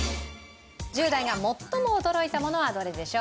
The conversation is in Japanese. １０代が最も驚いたものはどれでしょう？